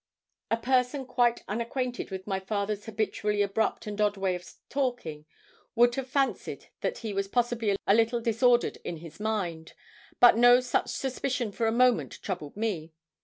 A person quite unacquainted with my father's habitually abrupt and odd way of talking, would have fancied that he was possibly a little disordered in his mind. But no such suspicion for a moment troubled me.